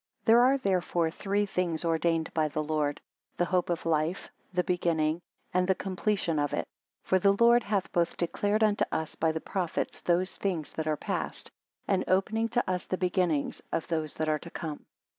7 There are therefore three things ordained by the Lord; the hope of life, the beginning, and the completion of it. 8 For the Lord hath both declared unto us, by the prophets, those things that are past; and opened to us the beginnings of those that are to come.